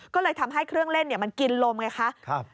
ก็เลยทำให้เครื่องเล่นมันกินลมไงคะ